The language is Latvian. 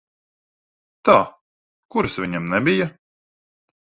Tā, kuras viņam nebija?